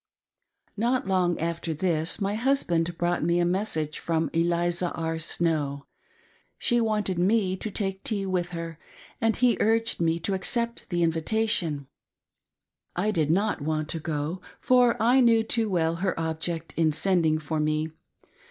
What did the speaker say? Not long after this, my husband brought me a message from Eliza R. Snow. She wanted me to take tea with her and he urged me to accept the invitati©ii. . I did not >yant to go, ELIZAS LOGIC. 43 1 for I knew too well her object in sending for me.